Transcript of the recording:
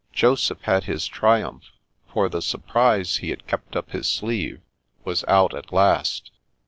Joseph had his triumph, for the surprise he had kept up his sleeve was out at last.